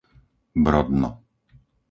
Brodno